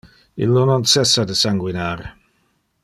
Illo non cessa de sanguinar.